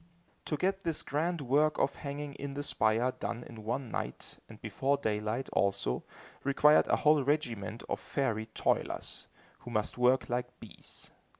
To get this grand work of hanging in the spire done in one night, and before daylight, also, required a whole regiment of fairy toilers, who must work like bees.